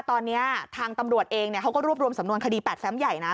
ตอนนี้ทางตำรวจเองเขาก็รวบรวมสำนวนคดี๘แฟมใหญ่นะ